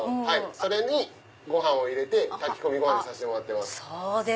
それにご飯を入れて炊き込みご飯にしてます。